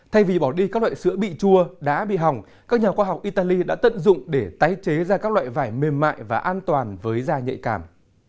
thay vì bỏ đi các loại sữa bị chua đã bị hỏng các nhà khoa học italy đã tận dụng để tái chế ra các loại vải mềm mại và an toàn với da nhạy cảm